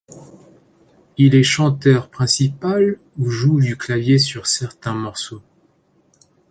Il est chanteur principal, ou joue du clavier sur certains morceaux.